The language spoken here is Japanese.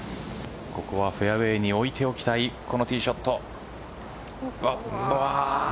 ここはフェアウエーに置いておきたいティーショット。